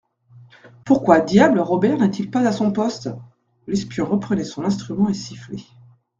Pourquoi, diable, Robert n'est-il pas à son poste ? L'espion reprenait son instrument et sifflait.